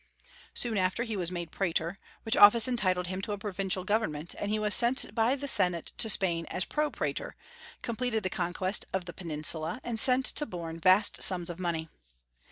Soon after he was made Praetor, which office entitled him to a provincial government; and he was sent by the Senate to Spain as Pro praetor, completed the conquest of the peninsula, and sent to Borne vast sums of money.